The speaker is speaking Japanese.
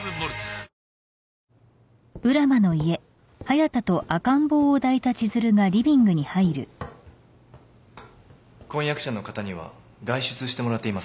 くーーーーーっ婚約者の方には外出してもらっています。